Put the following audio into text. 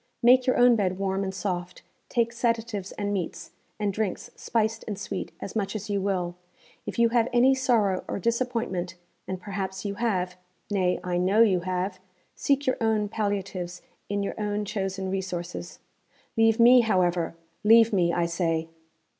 Make your own bed warm and soft; take sedatives and meats, and drinks spiced and sweet, as much as you will. If you have any sorrow or disappointment (and perhaps you have nay, I know you have) seek your own palliatives in your own chosen resources. Leave me, however. Leave me, I say!'